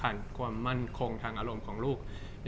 จากความไม่เข้าจันทร์ของผู้ใหญ่ของพ่อกับแม่